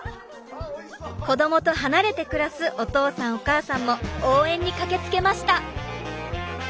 子どもと離れて暮らすお父さんお母さんも応援に駆けつけました。